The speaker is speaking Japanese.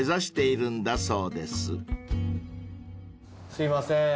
すいません。